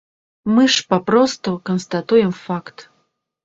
Мы ж папросту канстатуем факт.